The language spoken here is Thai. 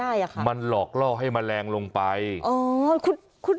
ยืนยันว่าม่อข้าวมาแกงลิงทั้งสองชนิด